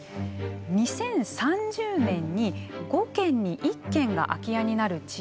２０３０年に５軒に１軒が空き家になる地域